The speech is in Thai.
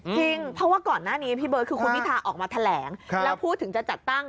เพราะว่าก่อนหน้านี้พี่เบิร์ตคือคุณพิธาออกมาแถลงแล้วพูดถึงจะจัดตั้ง